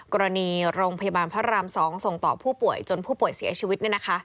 กรณีโรงพยาบาลพระราม๒ส่งต่อผู้ป่วยจนผู้ป่วยเสียชีวิต